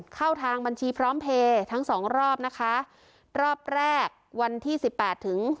เข้าทางบัญชีพร้อมเพลย์ทั้งสองรอบนะคะรอบแรกวันที่สิบแปดถึง